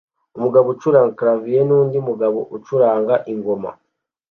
Umugabo acuranga clavier nundi mugabo ucuranga ingoma